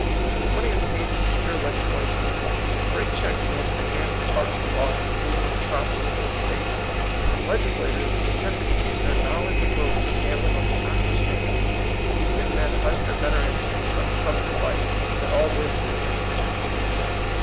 If money is paid to secure legislation, if great checks go into the hands of partisan bosses ruling a metropolis or a State, if legislatoi*3 are tempted to use their knowledge and votes for gambling on stock exchanges, de cent men hush their better instincts by the subtle device that all this is ^^ business.''